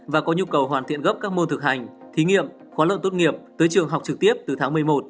và có nhu cầu hoàn thiện gấp các môn thực hành thí nghiệm khóa lần tốt nghiệp tới trường học trực tiếp từ tháng một mươi một